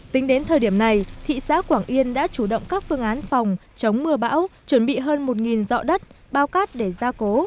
tính đến thời điểm này thị xã quảng yên đã chủ động các phương án phòng chống mưa bão chuẩn bị hơn một dọ đất bao cát để ra cố